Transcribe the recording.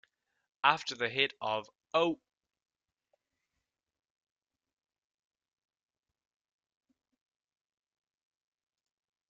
After the hit of Oh!